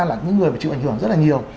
là những người mà chịu ảnh hưởng rất là nhiều